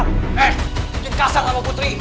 hei lu kasar sama putri